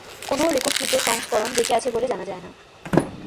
কোন রেকর্ডকৃত সংস্করণ বেঁচে আছে বলে জানা যায় না।